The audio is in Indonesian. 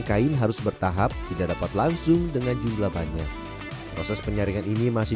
kain harus bertahap tidak dapat langsung dengan jumlah banyak proses penyaringan ini masih